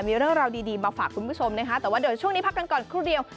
มีเรื่องราวดีมาฝากคุณผู้ชมนะคะแต่ว่าเดี๋ยวช่วงนี้พักกันก่อนครู่เดียว